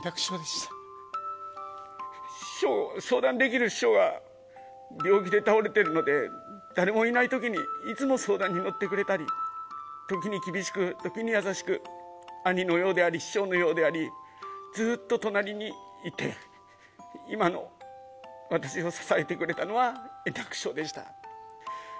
師匠、相談できる師匠が病気で倒れてるので、誰もいないときにいつも相談に乗ってくれたり、時に厳しく、時に優しく、兄のようであり、師匠のようであり、ずっと隣にいて、今の私を支えてくれたのは、円楽師匠でした。